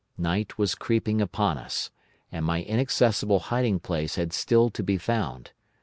Night was creeping upon us, and my inaccessible hiding place had still to be found.